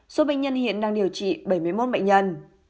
số bệnh nhân hiện đang điều trị bảy mươi một bệnh nhân